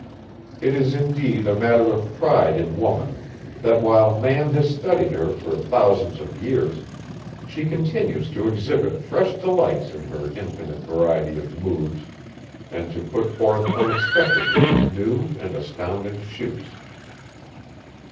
It is indeed a matter of pride in woman that while man has studied her for thousands of years, she continues to exhibit fresh delights in her infinite variety of moods and to put forth unexpectedly new and astounding shoots.